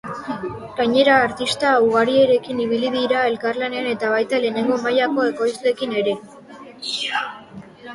Gainera, artista ugarirekin ibili dira elkarlanean eta baita lehenengo mailako ekoizleekin ere.